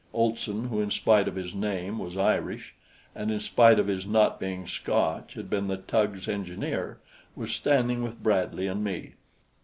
Olson who in spite of his name was Irish, and in spite of his not being Scotch had been the tug's engineer was standing with Bradley and me.